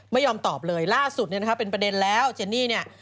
ไม่ยอมตอบเลยล่าสุดเป็นประเด็นแล้วเจนนี่เนี่ย